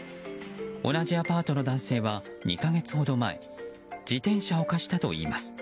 同じアパートの男性は２か月ほど前自転車を貸したといいます。